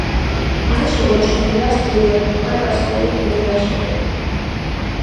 არ შემორჩენილა ჩრდილოეთ და დასავლეთ მინაშენები.